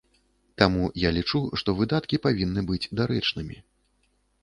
Таму я лічу, што выдаткі павінны быць дарэчнымі.